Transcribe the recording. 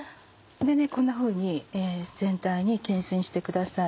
こんなふうに全体に均一にしてください。